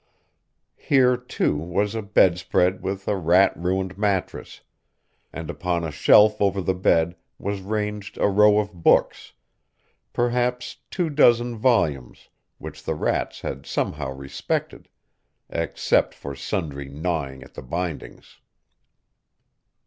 Here, too, was a bedstead with a rat ruined mattress. And upon a shelf over the bed was ranged a row of books, perhaps two dozen volumes, which the rats had somehow respected, except for sundry gnawing at the bindings.